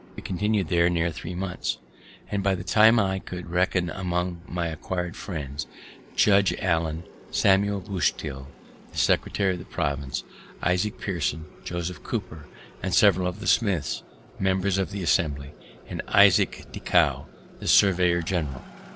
We continu'd there near three months; and by that time I could reckon among my acquired friends, Judge Allen, Samuel Bustill, the secretary of the Province, Isaac Pearson, Joseph Cooper, and several of the Smiths, members of Assembly, and Isaac Decow, the surveyor general.